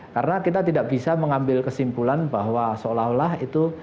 karena kita tidak bisa mengambil kesimpulan bahwa seolah olah itu